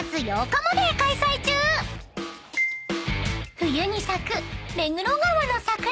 ［冬に咲く目黒川の桜］